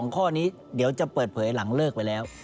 ข้อนี้เดี๋ยวจะเปิดเผยหลังเลิกไปแล้ว